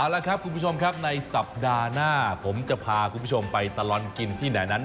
เอาละครับคุณผู้ชมครับในสัปดาห์หน้าผมจะพาคุณผู้ชมไปตลอดกินที่ไหนนั้น